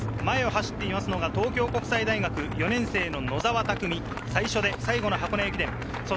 前を走るのが東京国際大学４年生の野澤巧理、最初で最後の箱根駅伝。